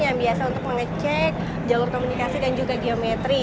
yang biasa untuk mengecek jalur komunikasi dan juga geometri